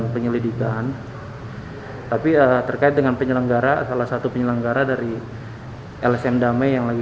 penyelidikan tapi terkait dengan penyelenggara salah satu penyelenggara dari lsm damai yang lagi